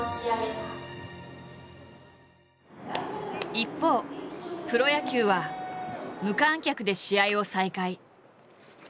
一方プロ野球は無観客で試合を再開。